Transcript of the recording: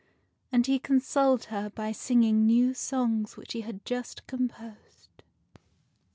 And he consoled her by singing new songs which he had just composed.